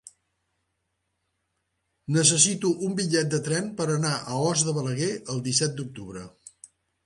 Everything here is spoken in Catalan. Necessito un bitllet de tren per anar a Os de Balaguer el disset d'octubre.